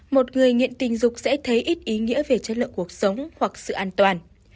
một người nghiện tình dục sẽ thấy ít ý nghĩa về chất lượng cuộc sống hoặc sự an toàn